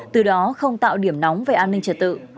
từ đó không tạo điểm nóng về an ninh trật tự